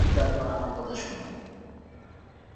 অন্তত একবার আমার কথা শোন।